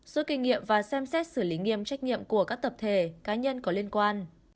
suốt kinh nghiệm và xem xét xử lý nghiêm trách nhiệm của các tập thể cá nhân có liên quan